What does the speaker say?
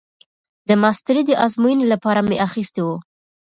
د ماسترۍ د ازموينې لپاره مې اخيستي وو.